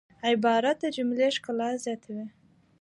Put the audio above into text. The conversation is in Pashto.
عبارت د جملې ښکلا زیاتوي.